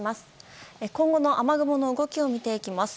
今後の雨雲の動きを見ていきます。